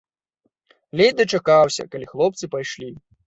Ледзь дачакаўся, калі хлопцы пайшлі.